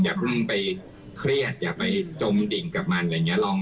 อย่าต้องไปเครียดอย่าไปจมดิ่งกับมัน